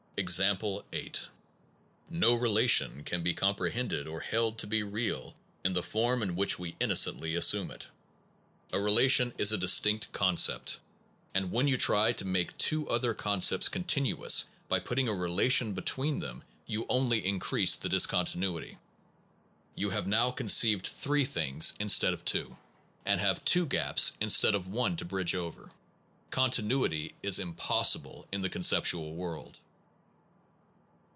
Example 8. No relation can be comprehended or held to be real in the form in which we inno cently assume it. A relation is a distinct con cept ; and when you try to make two other con cepts continuous by putting a relation between them, you only increase the discontinuity. You have now conceived three things instead SOME PROBLEMS OF PHILOSOPHY of two, and have two gaps instead of one to bridge over. Continuity is impossible in the conceptual world.